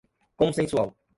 consensual